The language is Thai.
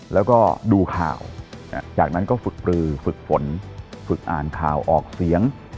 แล้วก็ดูข่าวจากนั้นก็ฝึกปลือฝึกฝนฝึกอ่านข่าวออกเสียง